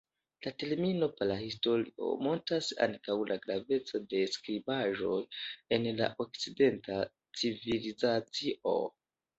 La termino prahistorio montras ankaŭ la gravecon de skribaĵoj en la okcidenta civilizacio.